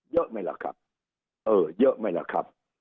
เยอะไหมล่ะครับเออเยอะไหมล่ะครับ